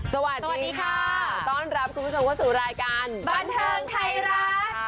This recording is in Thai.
สวัสดีค่ะสวัสดีค่ะต้อนรับคุณผู้ชมเข้าสู่รายการบรรเทิงไทยรักค่ะ